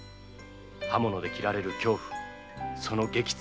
刃物で切られる恐怖その激痛。